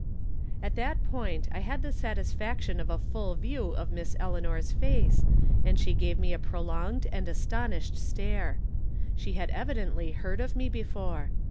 At that point I had the satisfaction of a full view of Miss Eleanor's face, and she gave me a prolonged and astonished stare. She had evi dently heard of me before.